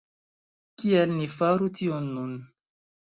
Kial ni faru tion nun?